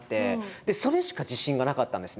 でそれしか自信がなかったんですね。